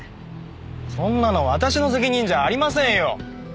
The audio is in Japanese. そんなの私の責任じゃありませんよ！